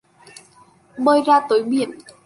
Bơi ra tới biển